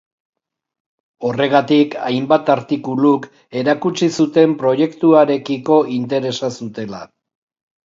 Horregatik, hainbat artikuluk erakutsi zuten proiektuarekiko interesa zutela.